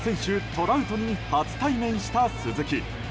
トラウトに初対面した鈴木。